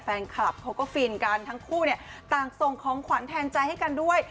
แฟนคลับเขาก็ฟินกันทั้งคู่เนี่ยต่างส่งของขวัญแทนใจให้กันด้วย